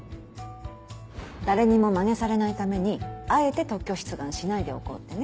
誰にもマネされないためにあえて特許出願しないでおこうってね。